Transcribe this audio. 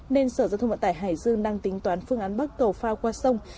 nên sở giao thông vận tải hải dương đang tính toán phương án bắt cầu phao qua sông